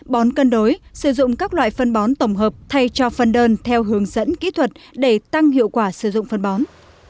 bón cân đối sử dụng các loại phân bón tổng hợp thay cho phân đơn theo hướng dẫn kỹ thuật để tăng hiệu quả sử dụng phân bón